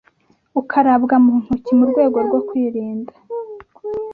ukarabwa mu ntoki mu rwego rwo kwirinda